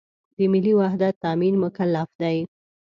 د ملي وحدت تأمین مکلف دی.